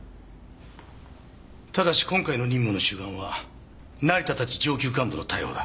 ただし今回の任務の主眼は成田たち上級幹部の逮捕だ。